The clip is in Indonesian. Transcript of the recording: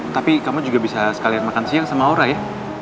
tapi kamu juga bisa sekalian makan siang sama aura ya